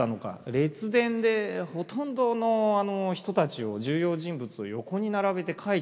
列伝でほとんどの人たちを重要人物を横に並べて書いていった。